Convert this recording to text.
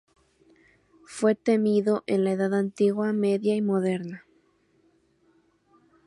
Fue temido en la Edad Antigua, Media y Moderna.